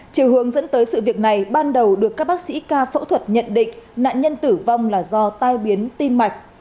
chiều hướng dẫn tới sự việc này ban đầu được các bác sĩ ca phẫu thuật nhận định nạn nhân tử vong là do tai biến tim mạch